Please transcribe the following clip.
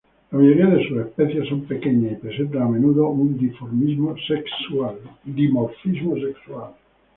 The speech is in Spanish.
La mayoría de sus especies son pequeñas y presentan a menudo, un dimorfismo sexual.